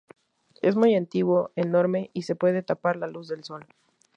Es muy antiguo, enorme y puede tapar la luz del Sol.